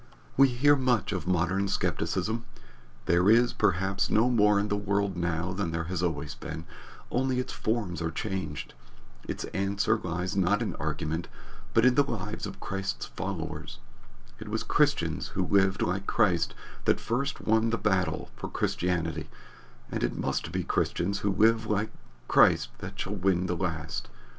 We hear much of modern skepticism. There is, perhaps, no more in the world now than there has always been, only its forms are changed. Its answer lies not in argument, but in the lives of Christ's followers. It was Christians who lived like Christ that won the first battle for Christianity, and it must be Christians who live like Christ that shall win the last.